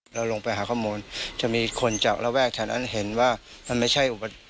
เราลงไปหาข้อมูลจะมีคนจากระแวกแถวนั้นเห็นว่ามันไม่ใช่อุป